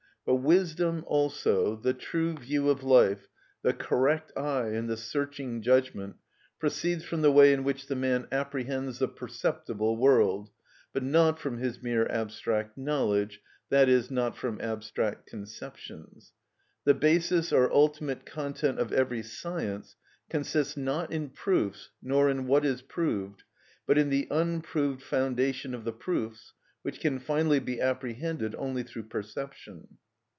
But wisdom also, the true view of life, the correct eye, and the searching judgment, proceeds from the way in which the man apprehends the perceptible world, but not from his mere abstract knowledge, i.e., not from abstract conceptions. The basis or ultimate content of every science consists, not in proofs, nor in what is proved, but in the unproved foundation of the proofs, which can finally be apprehended only through perception.